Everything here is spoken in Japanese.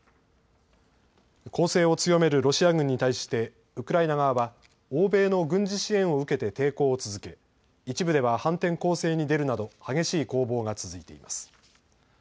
攻勢を強めるロシア軍に対してウクライナ側は欧米の軍事支援を受けて抵抗を続け一部では反転攻勢に出るなど激しい攻防が続いています。